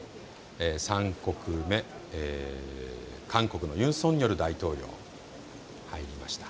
３か国目、韓国のユン・ソンニョル大統領、入りました。